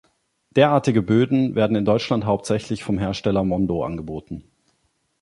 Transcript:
Derartige Böden werden in Deutschland hauptsächlich vom Hersteller Mondo angeboten.